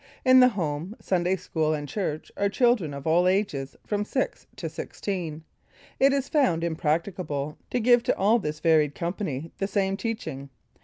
In the Home, Sunday School and Church are children of all ages, from six to sixteen. It is found impracticable to give to all this varied company the same teaching.